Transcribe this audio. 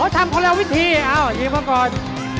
อ๋อทำคนละวิธีอ้าวยิงก่อน